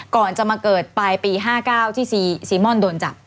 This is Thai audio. ก่อนจะมาเกิดปลายปี๕๙ที่ซีม่อนโดนจับ